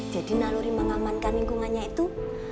jadi naluri mengamankan lingkungannya itu